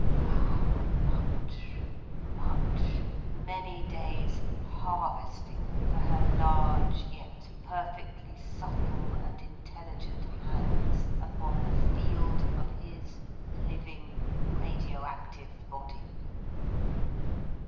Ah much, much, many days harvesting for her large, yet perfectly subtle and intelligent hands upon the field of his living, radio active body.